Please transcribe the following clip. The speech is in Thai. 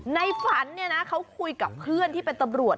ในฝันเขาคุยกับเพื่อนที่เป็นตรวจ